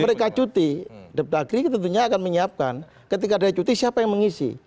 mereka cuti deptagri tentunya akan menyiapkan ketika ada cuti siapa yang mengisi